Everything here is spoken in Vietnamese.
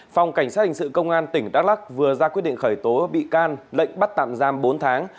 phòng cảnh sát hình sự công an tỉnh đắk lắk vừa ra quyết định khởi động